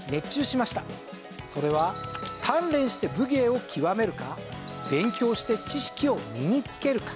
それは鍛錬して武芸を極めるか勉強して知識を身につけるか。